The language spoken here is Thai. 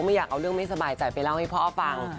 ไม่อยากเอาเรื่องไม่สบายใจไปเล่าให้พ่อฟัง